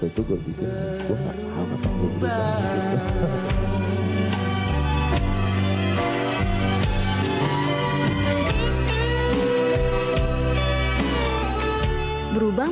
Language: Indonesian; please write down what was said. aku akan berubah